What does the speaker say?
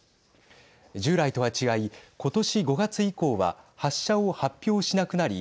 従来とは違い、今年５月以降は発射を発表しなくなり